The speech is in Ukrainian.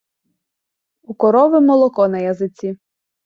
У корови молоко на язиці.